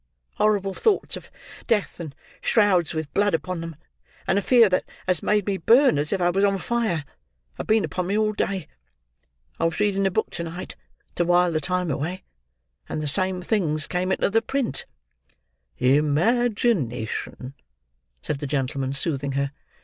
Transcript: Horrible thoughts of death, and shrouds with blood upon them, and a fear that has made me burn as if I was on fire, have been upon me all day. I was reading a book to night, to wile the time away, and the same things came into the print." "Imagination," said the gentleman, soothing her.